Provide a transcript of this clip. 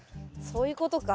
そういうことか。